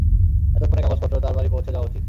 এতক্ষণে কাগজপত্র তার বাড়ি পৌঁছে যাওয়া উচিত।